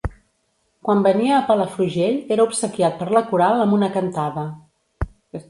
Quan venia a Palafrugell era obsequiat per la coral amb una cantada.